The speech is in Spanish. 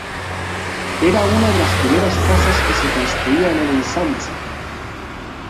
Era una de las primeras casas que se construían en el ensanche.